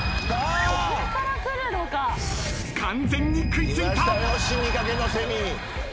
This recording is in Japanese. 完全に食い付いた。